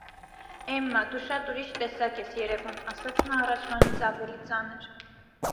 - էմմա, դու շատ ուրիշ տեսակ ես երևում,- ասաց նա առաջվանից ավելի ծանր: